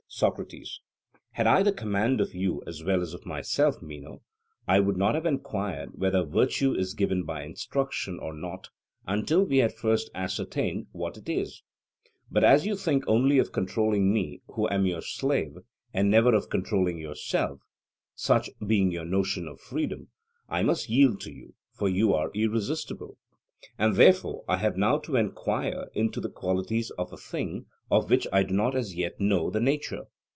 SOCRATES: Had I the command of you as well as of myself, Meno, I would not have enquired whether virtue is given by instruction or not, until we had first ascertained 'what it is.' But as you think only of controlling me who am your slave, and never of controlling yourself, such being your notion of freedom, I must yield to you, for you are irresistible. And therefore I have now to enquire into the qualities of a thing of which I do not as yet know the nature.